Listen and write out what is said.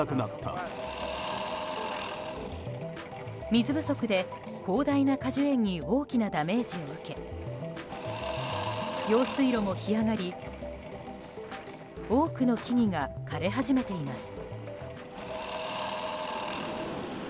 水不足で広大な果樹園に大きなダメージを受け用水路も干上がり多くの木々が枯れ始めています。